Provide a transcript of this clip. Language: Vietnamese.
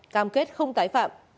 cam kết không tái phạm